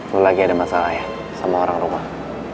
belum lagi ada masalah ya sama orang rumah